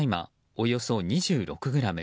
およそ２６ｇ